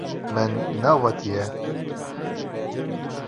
Min neavêtiye.